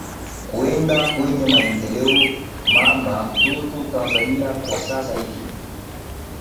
kuenda kwenye maendeleo mama mtoto tanzania kwa sasa hivi